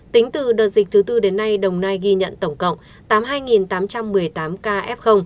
tính từ đợt dịch thứ tư đến nay đồng nai ghi nhận tổng cộng tám mươi hai tám trăm một mươi tám ca f